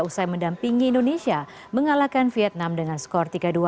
usai mendampingi indonesia mengalahkan vietnam dengan skor tiga dua